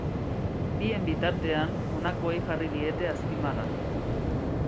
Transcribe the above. Bien bitartean, honakoei jarri diete azpimarra.